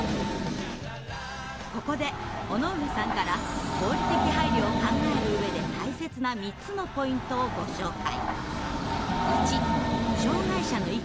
ここで尾上さんから合理的配慮を考える上で大切な３つのポイントをご紹介。